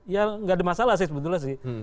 ya nggak ada masalah sih sebetulnya sih